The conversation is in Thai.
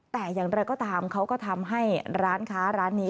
แต่อย่างไรก็ตามเขาก็ทำให้ร้านค้าร้านนี้